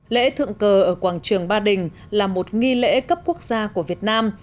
lễ thượng cờ ở quảng trường ba đình là một nghi lễ cấp quốc gia của việt nam